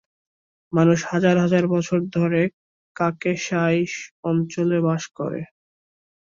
মানুষ হাজার হাজার বছর ধরে ককেশাসীয় অঞ্চলে বাস করে।